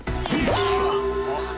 あっ。